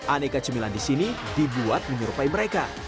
aneka cemilan di sini dibuat menyerupai mereka